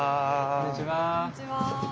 こんにちは。